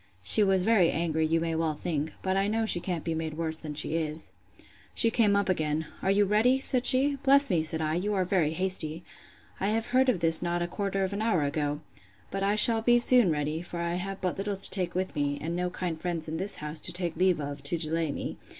She was very angry, you may well think. But I know she can't be made worse than she is. She came up again. Are you ready? said she. Bless me, said I, you are very hasty! I have heard of this not a quarter of an hour ago. But I shall be soon ready; for I have but little to take with me, and no kind friends in this house to take leave of, to delay me.